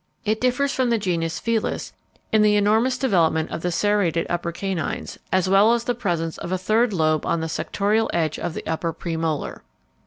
It differs from the genus Felis in the enormous development of the serrated upper canines, as well as the presence of a third lobe on the sectorial edge of the upper premolar."